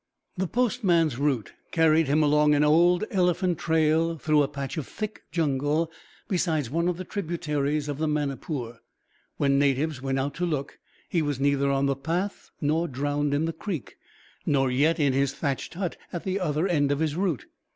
The postman's route carried him along an old elephant trail through a patch of thick jungle beside one of the tributaries of the Manipur. When natives went out to look, he was neither on the path nor drowned in the creek, nor yet in his thatched hut at the other end of his route.